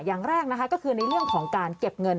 อย่างแรกนะคะก็คือในเรื่องของการเก็บเงิน